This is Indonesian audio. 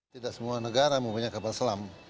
tidak semua negara mempunyai kapal selam